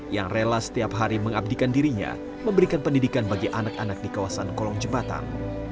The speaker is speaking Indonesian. yang rela setiap hari mengabdikan dirinya memberikan pendidikan bagi anak anak di kawasan kolong jembatan